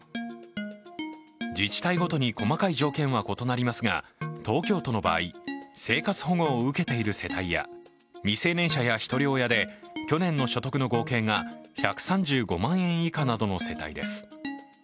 自治体ごとに細かい条件は異なりますが東京都の場合、生活保護を受けている世帯や未成年者やひとり親で、去年の所得の合計が１３５万円以下などの世帯です。